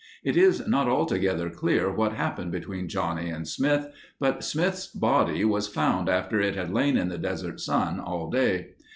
It is not altogether clear what happened between Johnny and Smith, but Smith's body was found after it had lain in the desert sun all day.